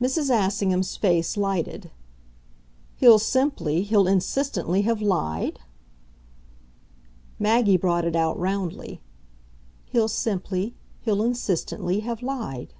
Mrs. Assingham's face lighted. "He'll simply, he'll insistently have lied?" Maggie brought it out roundly. "He'll simply, he'll insistently have lied."